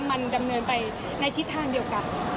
มันดำเนินไปในทิศทางเดียวกัน